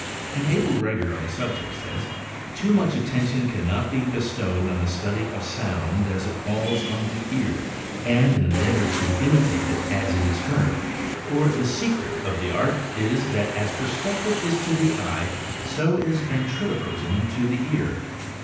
An able writer on the subject says: "Too much attention cannot be bestowed on the study of sound as it falls on the ear, and an endeavor to imitate it as it is heard — for the ' secret ' of the art is that as perspective is to the eye so is Yentriloquism to the ear.